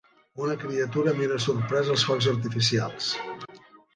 Una criatura mira sorprès els focs artificials.